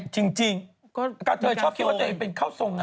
จริงกะเทยชอบคิดว่าจะเป็นข้าวทรง